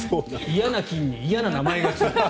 嫌な菌に嫌な名前がついてる。